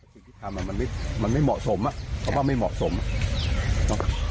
สิ่งที่ทำอ่ะมันไม่มันไม่เหมาะสมอ่ะเพราะว่าไม่เหมาะสมเนอะ